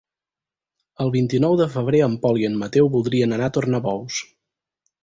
El vint-i-nou de febrer en Pol i en Mateu voldrien anar a Tornabous.